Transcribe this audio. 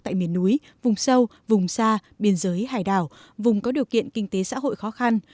tại miền núi vùng sâu vùng xa biên giới hải đảo vùng có điều kiện kinh tế xã hội khó khăn